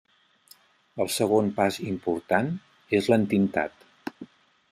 El segon pas important és l'entintat.